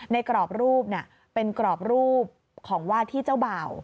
ในกรอบรูปนี่เป็นกรอบรูปของวาดที่เจ้าเบา